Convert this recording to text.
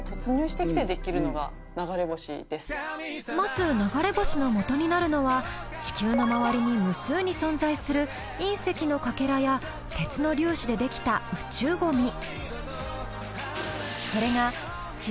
まず流れ星の素になるのは地球の周りに無数に存在する隕石のカケラや鉄の粒子で出来た宇宙ゴミ。